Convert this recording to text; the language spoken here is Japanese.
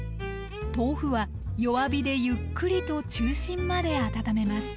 豆腐は弱火でゆっくりと中心まで温めます。